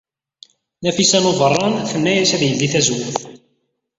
Nafisa n Ubeṛṛan tenna-as ad yeldey tazewwut.